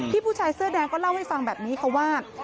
ผู้ชายเสื้อแดงก็เล่าให้ฟังแบบนี้ค่ะว่า